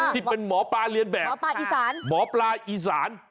ที่เป็นหมอปลาเรียนแบบหมอปลาอีสาน